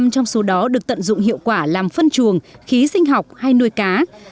một mươi trong số đó được tận dụng hiệu quả làm phân chuồng khí sinh học hay nuôi cá